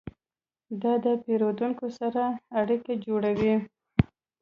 دا له پیرودونکو سره اړیکه جوړوي.